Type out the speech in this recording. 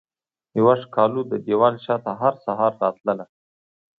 یوه ښکالو ددیوال شاته هرسحر راتلله